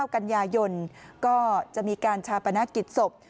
กันยายนก็จะมีการชาปนกิจศพ